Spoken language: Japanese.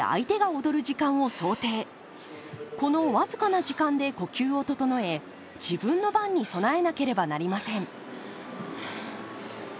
この僅かな時間で呼吸を整え自分の番に備えなければなりません。